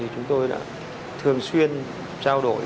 chúng tôi đã thường xuyên trao đổi